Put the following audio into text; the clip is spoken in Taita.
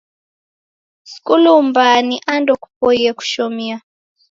Skulu mbaa ni ando kupoie koshomia.